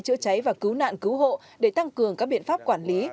chữa cháy và cứu nạn cứu hộ để tăng cường các biện pháp quản lý